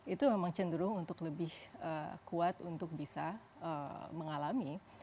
itu memang cenderung untuk lebih kuat untuk bisa mengalami